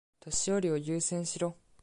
年寄りを優先しろ。